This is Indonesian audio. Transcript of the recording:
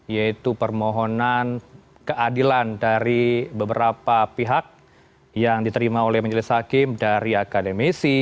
yaitu permohonan keadilan dari beberapa pihak yang diterima oleh majelis hakim dari akademisi